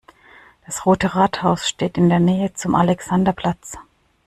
Das Rote Rathaus steht in der Nähe zum Alexanderplatz.